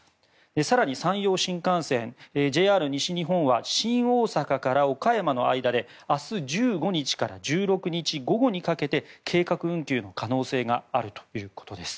更に山陽新幹線、ＪＲ西日本は新大阪から岡山の間で明日１５日から１６日午後にかけて計画運休の可能性があるということです。